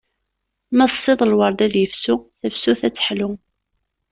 Ma tessiḍ lward ad yefsu, tafsut ad teḥlu.